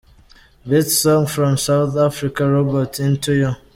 Best Song from Southern Africa Roberto – Into You.